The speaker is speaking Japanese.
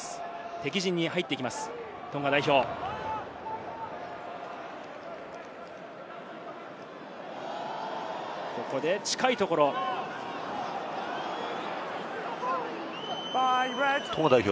敵陣に入ってきます、トンガ代表。